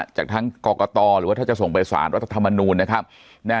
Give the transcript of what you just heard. จากทั้งกรกตรหรือว่าถ้าจะส่งไปศาลวัตถมนุนนะครับแน่